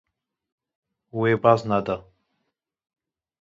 We baz neda.